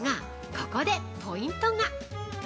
ここでポイントが。